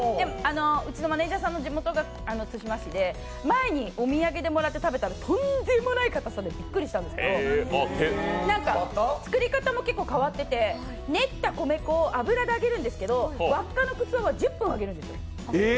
うちのマネージャーさんの田舎で前にお土産でもらって食べたらとんでもないかたさでビックリしたんですけどなんか作り方も結構変わってて練ったこめこ油で揚げるんですけど、輪っかのくつわは１０分揚げるんですよ。